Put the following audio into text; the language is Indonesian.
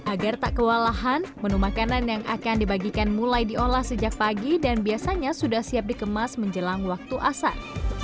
agar tak kewalahan menu makanan yang akan dibagikan mulai diolah sejak pagi dan biasanya sudah siap dikemas menjelang waktu asar